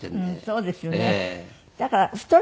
そうですよ。